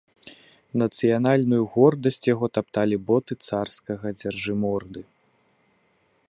Нацыянальную гордасць яго тапталі боты царскага дзяржыморды.